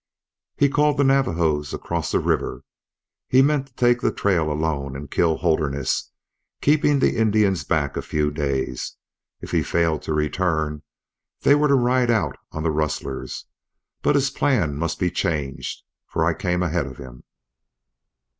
"He called the Navajos across the river. He meant to take the trail alone and kill Holderness, keeping the Indians back a few days. If he failed to return then they were to ride out on the rustlers. But his plan must be changed, for I came ahead of him."